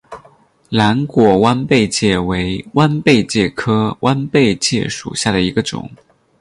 蓝果弯贝介为弯贝介科弯贝介属下的一个种。